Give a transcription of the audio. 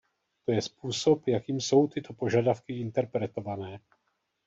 To je způsob, jakým jsou tyto požadavky interpretované.